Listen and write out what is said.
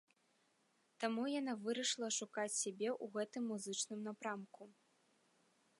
Таму яна вырашыла шукаць сябе ў гэтым музычным напрамку.